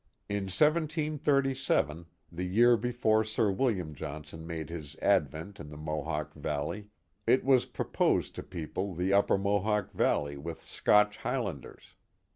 In 1737, the year before Sir William Johnson made his ad vent in the Mohawk Valley, it was proposed to people the upper Mohawk Valley with Scotch Highlanders.